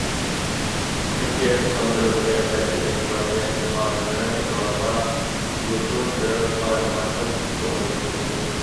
چۈنكى ئىسلام دۆلىتى ئەسەبىي تەشكىلاتى خادىملىرى ئىراققا يوشۇرۇن بېرىپ قالايمىقانچىلىق تۇغدۇرۇشى مۇمكىن.